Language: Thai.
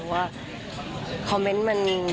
เพราะว่าคอมเมนต์มัน